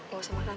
gak usah makan